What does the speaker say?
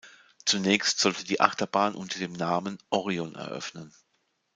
Zunächst sollte die Achterbahn unter dem Namen "Orion" eröffnen.